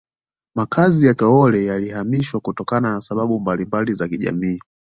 makazi ya kaole yalihamishwa kutokana na sababu mbalimba za kijamii